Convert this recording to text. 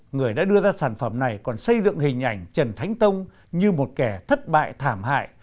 người đã đưa ra sản phẩm này còn xây dựng hình ảnh trần thánh tông như một kẻ thất bại thảm hại